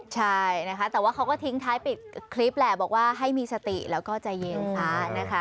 ใช่นะคะแต่ว่าเขาก็ทิ้งท้ายปิดคลิปแหละบอกว่าให้มีสติแล้วก็ใจเย็นซะนะคะ